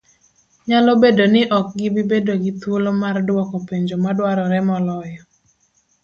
Nyalo bedo ni ok gibi bedo gi thuolo mardwoko penjo madwarore moloyo.